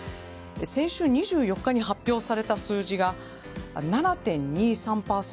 先週２４日に発表された数字が７．２３％。